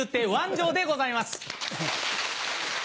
丈でございます。